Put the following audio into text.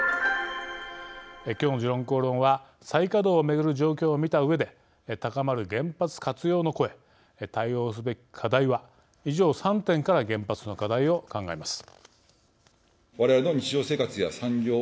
きょうの「時論公論」は再稼働をめぐる状況を見たうえで高まる原発活用の声対応すべき課題は以上３点から原発の課題を考えます。